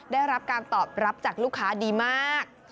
ได้รับการตอบรับจากลูกค้าดีมาก